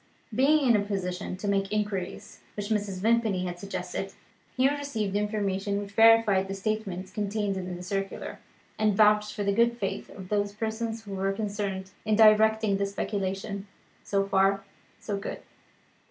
Being in a position to make the inquiries which Mrs. Vimpany had suggested, Hugh received information which verified the statements contained in the circular, and vouched for the good faith of those persons who were concerned in directing the speculation. So far, so good.